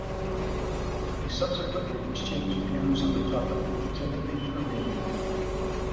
He subsequently exchanged views on the topic with Timothy Perrine.